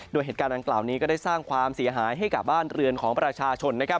โดยเหตุการณ์ดังกล่าวนี้ก็ได้สร้างความเสียหายให้กับบ้านเรือนของประชาชน